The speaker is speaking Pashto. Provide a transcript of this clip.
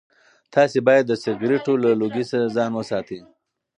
تاسي باید د سګرټو له لوګي ځان وساتئ.